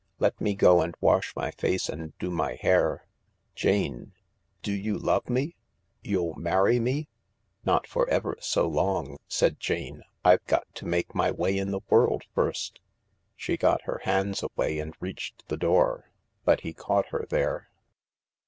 " Let me go and wash my face and do my hair." " Jane — you do love me — you'll marry me ?"" Not for ever so long," said Jane. " I've got to make my way in the world first." She got her hands away and reached the door. But he caught her there.